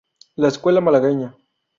La Escuela malagueña.